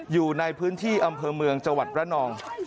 อยู่ในพื้นที่อำเภอเมืองจังหวัดระนอง